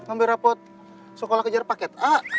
ambil rapot sekolah kejar paket